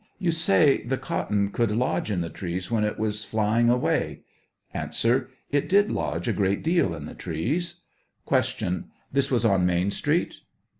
You say the cotton could lodge in the trees when it was flying away ? A. It did lodge a great deal in the trees. Q. This was on Main street